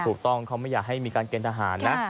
ถูกต้องเขาไม่อยากให้มีการเกณฑหารนะ